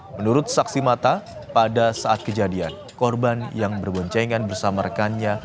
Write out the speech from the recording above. menurut saksi mata pada saat kejadian korban yang berboncengan bersama rekannya